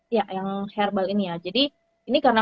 ya yang herbal ini ya jadi ini karena